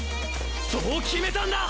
そう決めたんだぁ！